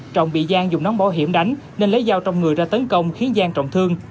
trọng bị giang dùng nón bảo hiểm đánh nên lấy dao trong người ra tấn công khiến giang trọng thương